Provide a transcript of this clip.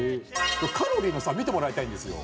カロリーの差見てもらいたいんですよ。